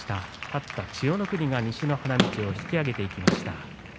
勝った千代の国が西の花道を引き揚げていきました。